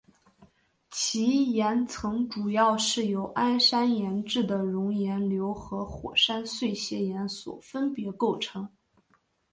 其岩层主要是由安山岩质的熔岩流和火山碎屑岩所分别构成。